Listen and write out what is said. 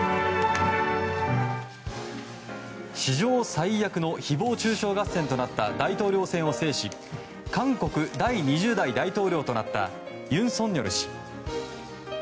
史上最悪の誹謗中傷合戦となった大統領選を制し韓国第２０代大統領となった尹錫悦氏。